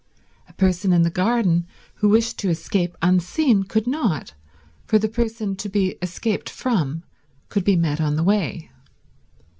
A person in the garden who wished to escape unseen could not, for the person to be escaped from could be met on the way.